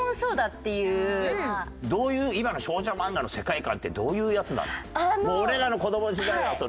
今の少女漫画の世界観ってどういうやつなの？